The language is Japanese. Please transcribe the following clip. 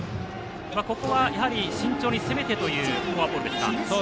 ここはやはり慎重に攻めてというフォアボールですか。